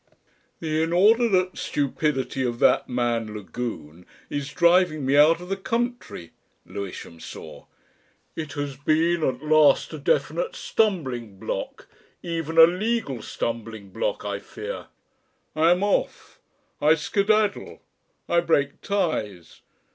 "The inordinate stupidity of that man Lagune is driving me out of the country," Lewisham saw. "It has been at last a definite stumbling block even a legal stumbling block. I fear. I am off. I skedaddle. I break ties.